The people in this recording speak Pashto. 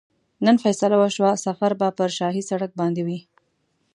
نن فیصله وشوه سفر به پر شاهي سړک باندې وي.